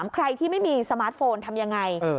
ใครที่ไม่มีสมาร์ทโฟนทำยังไง